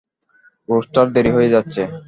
Rooster, দেরি হয়ে যাচ্ছে!